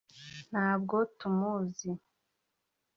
ntabwo tumuzi